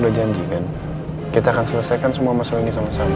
jadi janjikan kita akan selesaikan semua masalah ini sama sama